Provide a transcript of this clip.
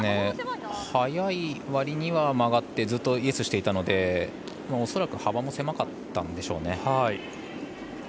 速い割には曲がってずっとイエスしていたので恐らく幅も狭かったんでしょうね。